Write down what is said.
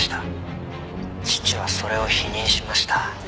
「父はそれを否認しました」